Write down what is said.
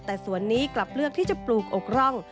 แต่สวนนี้กลับเลือกที่จะปลูกอกร่อง